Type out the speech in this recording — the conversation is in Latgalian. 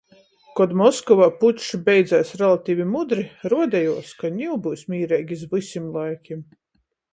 Kod Moskovā pučs beidzēs relativi mudri, ruodejuos, ka niu byus mīreigi iz vysim laikim.